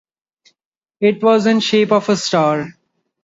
It was in the shape of a star.